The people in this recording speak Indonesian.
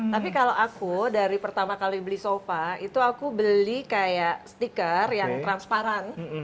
tapi kalau aku dari pertama kali beli sofa itu aku beli kayak stiker yang transparan